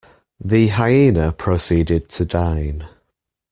The hyena proceeded to dine.